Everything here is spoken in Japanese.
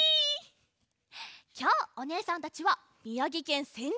きょうおねえさんたちはみやぎけんせん